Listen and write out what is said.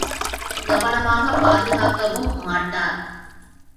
கவனமாகப் பாதுகாக்கவும் மாட்டார்.